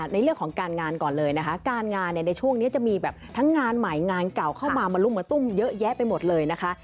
ในเรื่องของการงานก่อนเลยนะคะการงานเนี่ยในช่วงนี้จะมีแบบทั้งงานใหม่งานเก่าเข้ามามาลุมมาตุ้มเยอะแยะไปหมดเลยนะคะ